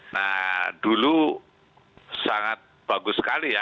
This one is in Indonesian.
nah dulu sangat bagus sekali ya